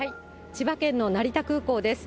千葉県の成田空港です。